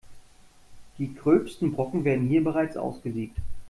Die gröbsten Brocken werden hier bereits ausgesiebt.